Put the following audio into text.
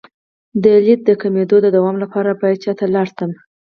د لید د کمیدو د دوام لپاره باید چا ته لاړ شم؟